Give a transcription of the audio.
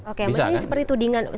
oke mungkin seperti tudingan